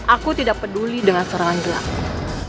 aku tidak peduli dengan serangan gelap